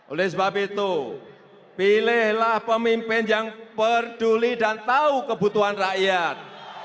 oleh sebab itu pilihlah pemimpin yang peduli dan tahu kebutuhan rakyat